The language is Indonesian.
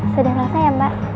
sudah enggak saya mbak